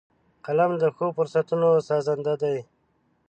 قلم د ښو فرصتونو سازنده دی